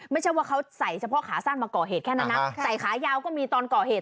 ไม่ใช่ว่าเขาใส่เฉพาะขาสั้นมาก่อเหตุแค่นั้นนะใส่ขายาวก็มีตอนก่อเหตุ